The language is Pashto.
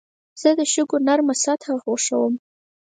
زه د شګو نرمه سطحه خوښوم.